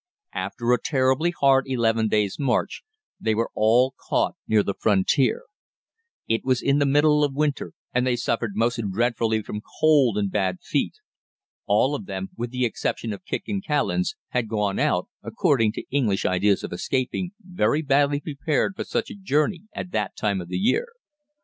After a terribly hard eleven days' march they were all caught near the frontier. It was in the middle of winter, and they suffered most dreadfully from cold and bad feet. All of them, with the exception of Kicq and Callens, had gone out (according to English ideas of escaping) very badly prepared for such a journey at that time of year.